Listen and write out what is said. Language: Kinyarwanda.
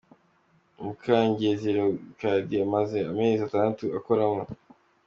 Mukangenzi Léocadie amaze amezi atandatu akoramo.